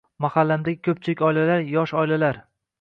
Mahallamdagi ko‘pchilik oilalar — yosh oilalar.